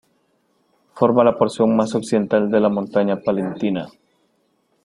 Forma la porción más occidental de la Montaña Palentina.